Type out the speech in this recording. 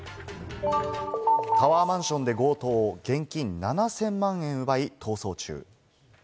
タワーマンションで強盗、現金７０００万円を奪い逃走中。